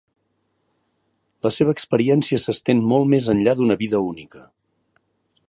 La seva experiència s'estén molt més enllà d'una vida única.